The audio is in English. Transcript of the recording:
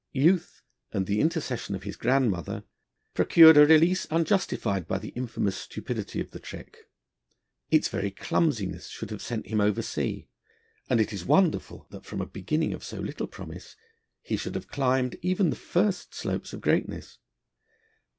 Youth, and the intercession of his grandmother, procured a release, unjustified by the infamous stupidity of the trick. Its very clumsiness should have sent him over sea; and it is wonderful that from a beginning of so little promise, he should have climbed even the first slopes of greatness.